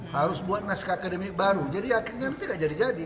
harus buat naskah akademik baru jadi akhirnya tidak jadi jadi